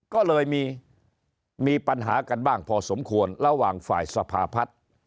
ก็เลยมีปัญหากันบ้างพอสมควรระหว่างฝ่ายสภาพัฒน์